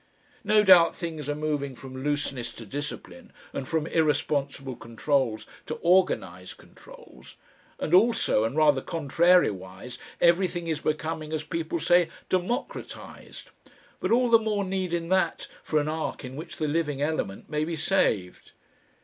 No doubt things are moving from looseness to discipline, and from irresponsible controls to organised controls and also and rather contrariwise everything is becoming as people say, democratised; but all the more need in that, for an ark in which the living element may be saved."